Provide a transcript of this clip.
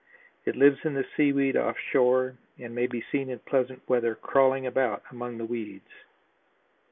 It lives in the seaweed off shore and may be seen in pleasant weather crawling about among the weeds.